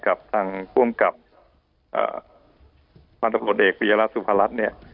กับทางกล้วงกับพันธุ์ตำรวจเอกพิจารณสุภรรณ์